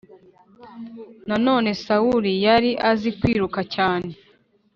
Nanone Sawuli yari azi kwiruka cyane